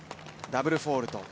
ダブルフォルト。